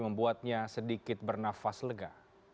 membuatnya sedikit bernafas lega